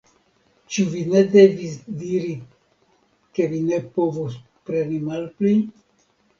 Ĉu vi ne devis diri ke vi ne povus preni malpli?